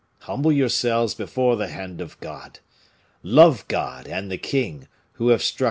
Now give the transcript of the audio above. Humble yourselves before the hand of God. Love God and the king, who have struck M.